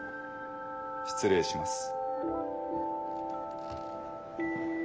失礼します。